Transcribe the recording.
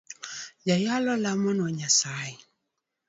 Jayalo lemonwa nyasaye.